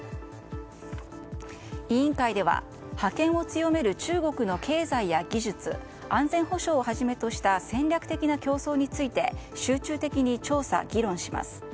委員会では覇権を強める中国の経済や技術安全保障をはじめとした戦略的な競争について集中的に調査、議論します。